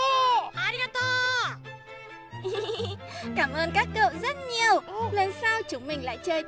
ありがとう！